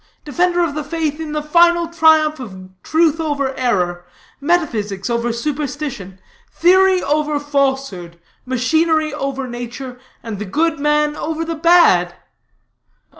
defender of the faith in the final triumph of truth over error, metaphysics over superstition, theory over falsehood, machinery over nature, and the good man over the bad.